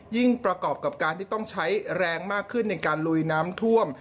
ประกอบกับการที่ต้องใช้แรงมากขึ้นในการลุยน้ำท่วม